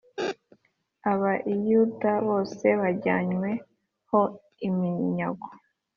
Ab i Buyuda bose bajyanywe ho iminyago